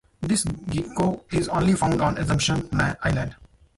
This gecko is only found on Assumption Island.